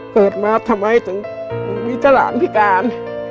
เกิดมาทำให้ถึงมีสลานพี่กาน